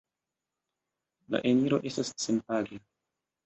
La eniro estas senpaga.